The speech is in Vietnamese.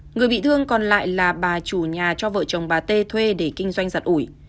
người bị thương còn lại là bà chủ nhà cho vợ chồng bà t thuê để kinh doanh giặt ủi